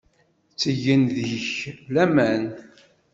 Ttgen deg-k laman.